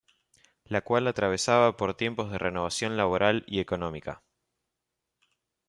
La cual atravesaba por tiempos de renovación laboral y económica.